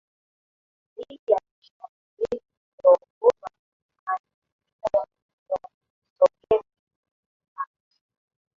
dhidi ya nchi za magharibi zilizoongozwa na Marekani Athira ya Umoja wa Kisovyeti ilipanuka